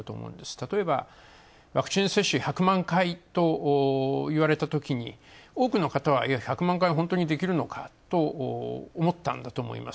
例えば、ワクチン接種１００万回と言われたときに多くの方は１００万回も本当にできるのかと思ったんだと思います。